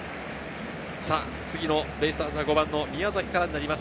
次のベイスターズは５番の宮崎からです。